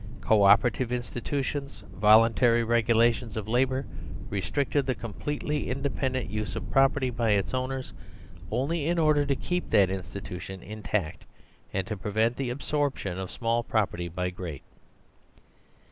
Co opera tive institutions, voluntary regulations of labour, re stricted the completely independent use of property by its owners only in order to keep that institution intactandto prevent the absorption of small property by great.